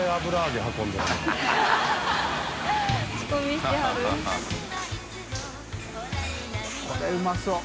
気これうまそう。